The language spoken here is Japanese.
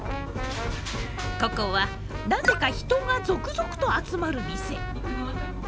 ここはなぜか人が続々と集まる店。